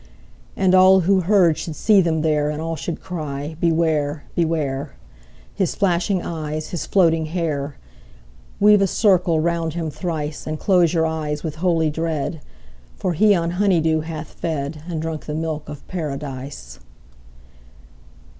And all who heard should see them there, And all should cry, Beware! Beware! His flashing eyes, his floating hair! 50 Weave a circle round him thrice, And close your eyes with holy dread, For he on honey dew hath fed, And drunk the milk of Paradise.